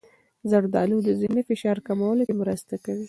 زردالو د ذهني فشار کمولو کې مرسته کوي.